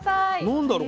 何だろう？